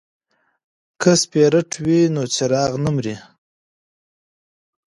که سپیرټ وي نو څراغ نه مري.